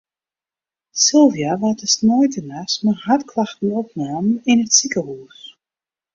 Sylvia waard de sneintenachts mei hartklachten opnommen yn it sikehûs.